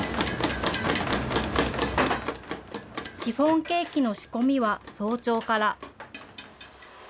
シフォンケーキの仕込みは早朝から。